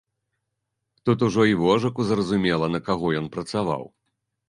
Тут ужо і вожыку зразумела, на каго ён працаваў.